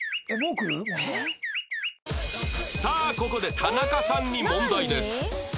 さあここで田中さんに問題です